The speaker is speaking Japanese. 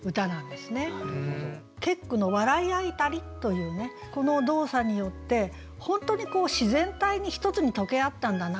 結句の「笑い合いたり」というねこの動作によって本当に自然体に一つにとけあったんだなというね。